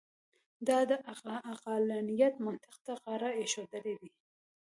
دا د عقلانیت منطق ته غاړه اېښودل دي.